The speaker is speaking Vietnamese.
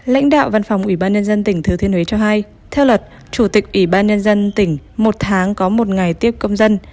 lãnh đạo văn phòng ủy ban nhân dân tỉnh thừa thiên huế cho hay theo luật chủ tịch ủy ban nhân dân tỉnh một tháng có một ngày tiếp công dân